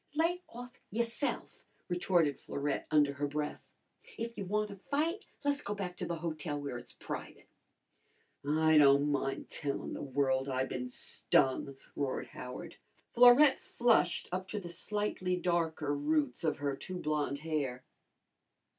"Lay off yourse'f!" retorted Florette under her breath. "If you wanna fight le's go back to the hotel where it's private." "I don' min' tellin' the world I bin stung!" roared Howard. Florette flushed up to the slightly darker roots of her too blonde hair.